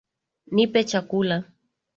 Nipe chakula